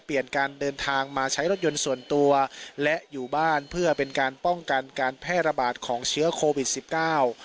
การเดินทางมาใช้รถยนต์ส่วนตัวและอยู่บ้านเพื่อเป็นการป้องกันการแพร่ระบาดของเชื้อโควิดสิบเก้า